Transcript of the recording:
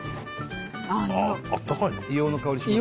あああったかいなあ。